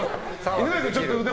犬飼君、腕